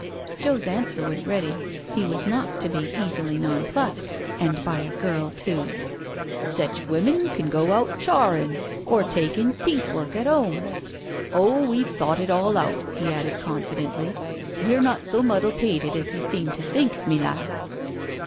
Joe's answer was ready; he was not to be easily non plussed, and by a girl too. OFTril \ NT VV . YOXK ^ 68 NO SURRENDER " Sech women can go out charrin', or take in piece work at 'ome. Oh, we've thought it all out/' he added confidently; "we're not so mudde pated as you seem to think, me lass."